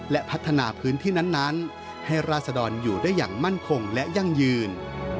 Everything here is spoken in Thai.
และพัฒนาพื้นที่นั้นให้ราศดรอยู่ได้อย่างมั่นคงและยั่งยืน